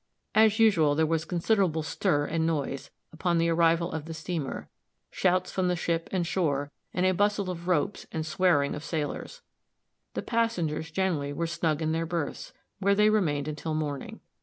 As usual, there was considerable stir and noise, upon the arrival of the steamer, shouts from the ship and shore, and a bustle of ropes and swearing of sailors. The passengers generally were snug in their berths, where they remained until morning.